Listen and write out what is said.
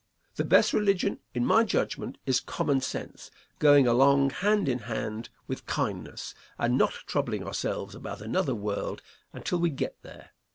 The best religion, in my judgment, is common sense going along hand in hand with kindness, and not troubling ourselves about another world until we get there.